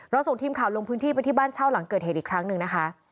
ส่งทีมข่าวลงพื้นที่ไปที่บ้านเช่าหลังเกิดเหตุอีกครั้งหนึ่งนะคะ